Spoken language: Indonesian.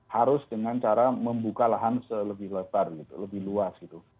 harus dengan cara membuka lahan selebih lebar gitu lebih luas gitu